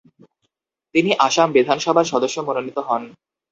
তিনি আসাম বিধানসভার সদস্য মনোনীত হন।